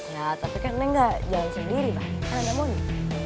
nah tapi kan neng gak jalan sendiri kan ada money